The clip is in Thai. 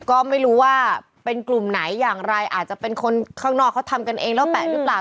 ก็ไม่รู้ว่าเป็นกลุ่มไหนอย่างไรอาจจะเป็นคนข้างนอกเขาทำกันเองแล้วแปะหรือเปล่า